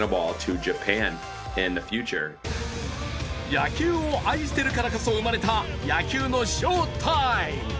野球を愛しているからこそ生まれた野球のショータイム。